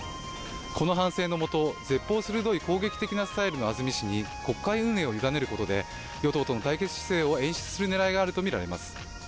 この反省のもと、舌ぽう鋭い攻撃的なスタイルの安住氏国会運営を委ねることで与党と野対決姿勢を演出する狙いがあるとみられます。